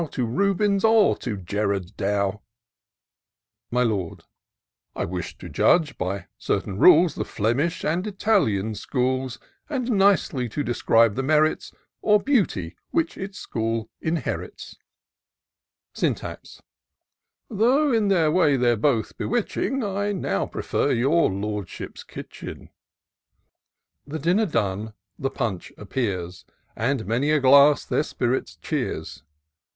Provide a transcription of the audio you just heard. To Rubens or to Gerard Dow'' My Lord. *^ I wish to judge, by certain rules. The Flemish and Italian schools ; And nicely to describe the merits, Or beauties, which each school inherits." IN SEARCH OF THE PICTURESQUE. 133 Syntax. " Tho', in their way, they're both bewitching ; I now prefer your Lordship's kitchen," The dinner done, the punch appears, And many a glass their spirits cheers.